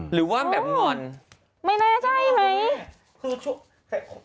หรือว่าแบบหง่อนไม่น่าใช่มั้ยคือช่วง